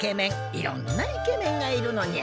いろんなイケメンがいるのにゃ。